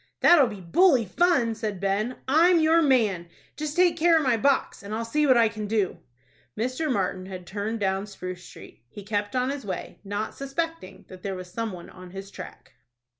"That'll be bully fun," said Ben. "I'm your man. Just take care of my box, and I'll see what I can do." Mr. Martin had turned down Spruce Street. He kept on his way, not suspecting that there was some one on his track.